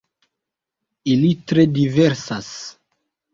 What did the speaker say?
Ili tre diversas.